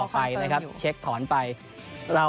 ก็จะเมื่อวันนี้ตอนหลังจดเกม